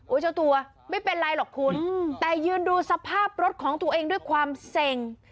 เจ้าตัวไม่เป็นไรหรอกคุณแต่ยืนดูสภาพรถของตัวเองด้วยความเซ็ง